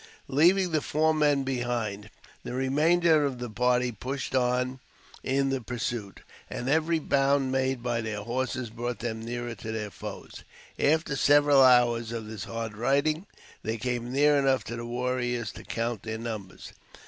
Leaving the four men behind, the remainder of the party pushed on in the pursuit, and every bound made by their horses brought them nearer to their foes. After several hours of this hard riding, they came near enough to the warriors to count their numbers.